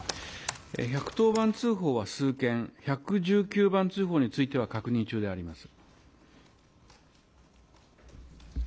１１０番通報は数件、１１９番通報については確認中であります。